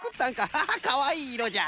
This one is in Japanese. ハハかわいいいろじゃ。